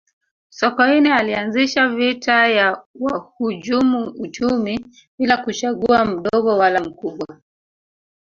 sokoine alianzisha vita ya wahujumu uchumi bila kuchagua mdogo wala mkubwa